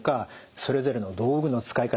それぞれの道具の使い方